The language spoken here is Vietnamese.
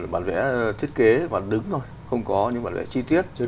bản vẽ thiết kế bản đứng thôi không có những bản vẽ chi tiết